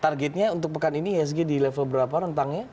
targetnya untuk pekan ini ihsg di level berapa rentangnya